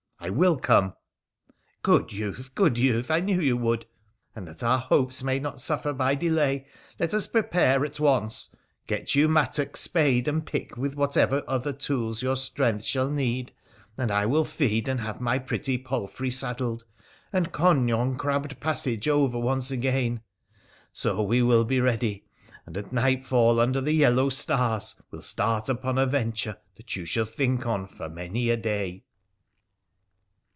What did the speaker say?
I will come !'' Good youth, good youth, I knew you would; and, that our hopes may not suffer by delay, let us prepare at once. Get you mattock, spade, and pick, with whatever other tools your strength shall need, and I will feed and have my pretty palfrey saddled, and con yon crabbed passage over once again. So we will be ready ; and at nightfall, under the yellow stars, will start upon a venture that you shall think on for many a day.'